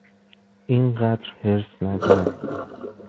اینقدر حرص نزن!